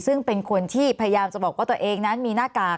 ซึ่งเป็นคนที่พยายามจะบอกว่าตัวเองนั้นมีหน้ากาก